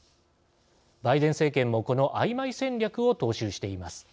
バイデン政権も、このあいまい戦略を踏襲しています。